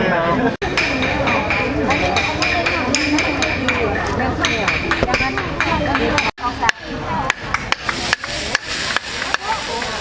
พระเจ้าข้าว